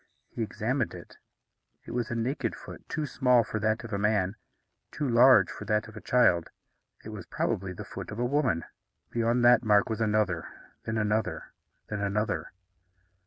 He examined it. It was a naked foot; too small for that of a man, too large for that of a child. It was probably the foot of a woman. Beyond that mark was another, then another, then another.